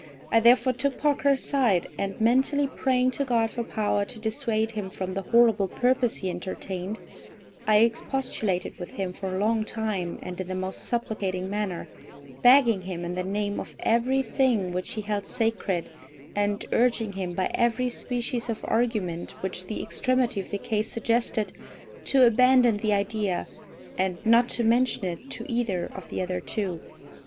I therefore took Parker aside; and mentally praying to God for power to dissuade him from the horrible purpose he entertained, I expostulated with him for a long time, and in the most supplicating manner, begging him in the name of every thing which he held sacred, and urging him by every species of argument which the extremity of the case suggested, to abandon the idea, and not to mention it to either of the other two.